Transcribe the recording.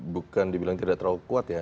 bukan dibilang tidak terlalu kuat ya